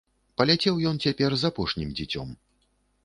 Паляцеў ён цяпер з апошнім дзіцем.